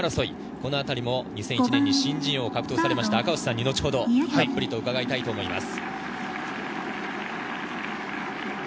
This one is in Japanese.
このあたりも２００１年に新人王を獲得された赤星さんに後ほどたっぷり伺いたいと思います。